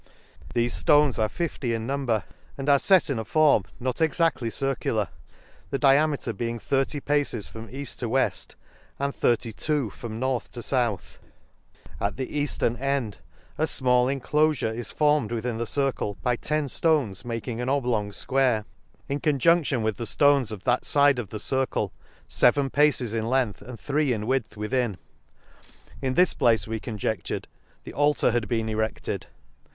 — Thefe ftones are fifty in number, and are fet m a form not exactly circular, the diameter being thirty paces from eaft to weft, and thirty two from north to fouth ; at the eaftern (end a fmall inclofare is formed within the pircle by ten ftones, making an oblong fqviare /^ Lakes. 149 fquare in conjunction with the ft ones of that fide of the circle, {even paces in length, and three in width within. In this place we conjecftured the altar had been erected.